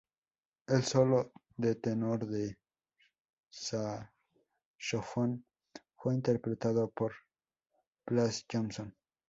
El solo de tenor de saxofón fue interpretado por Plas Johnson.